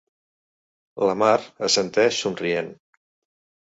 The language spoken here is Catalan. La Mar assenteix somrient.